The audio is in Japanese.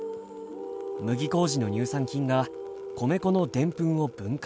麦麹の乳酸菌が米粉のでんぷんを分解。